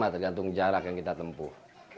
tergantung jarak yang kita tempuh